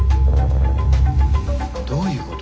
どういうこと？